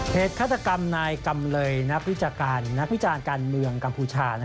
เหตุฆาตกรรมนายกำเลยนักพิจารการเมืองกัมพูชา